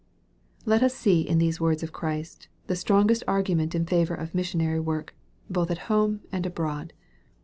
Let us see in these words of Christ, the strongest argument in favor of missionary work, both at home and abroad.